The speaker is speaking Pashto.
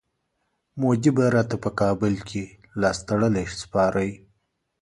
مودي به راته په کابل کي لاستړلی سپارئ.